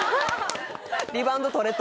リバウンドとれと？